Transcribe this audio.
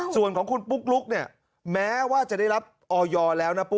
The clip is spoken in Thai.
ส่วนของคุณปุ๊กลุ๊กแม้ว่าจะได้รับออยแล้ว